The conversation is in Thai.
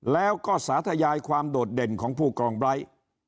แล้วก็สาธยายความโดดเด่นของผู้กองไบร์ท